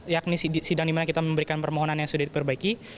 yakni sidang dimana kita memberikan permohonan yang sudah diperbaiki